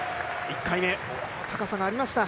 １回目、高さがありました。